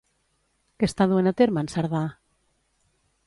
Què està duent a terme en Cerdà?